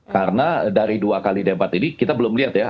karena dari dua kali debat ini kita belum lihat ya